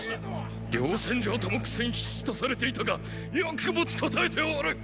両戦場とも苦戦必至とされていたがよく持ちこたえておる！